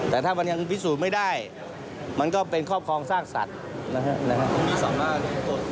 แต่ถ้ามันยังพิสูจน์ไม่ได้มันก็เป็นครอบครองซากสัตว์นะครับ